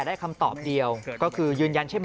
ลองไปดูบรรยากาศช่วงนั้นนะคะ